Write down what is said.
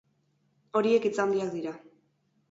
Horiek hitz handiak dira.